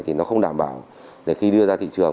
thì nó không đảm bảo để khi đưa ra thị trường